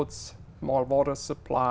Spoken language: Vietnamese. kết hợp và kết quả